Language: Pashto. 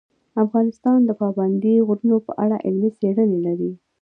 افغانستان د پابندی غرونه په اړه علمي څېړنې لري.